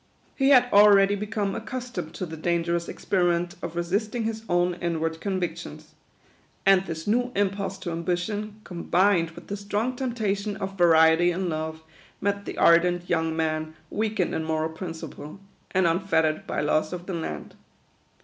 He had already become accustomed to the danger ous experiment of resisting his own inward convic tions ; and this new impulse to ambition, combined with the strong temptation of variety in love, met the ardent young man weakened in moral principle, and unfettered by laws of the land.